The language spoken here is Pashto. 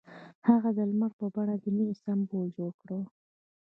هغه د لمر په بڼه د مینې سمبول جوړ کړ.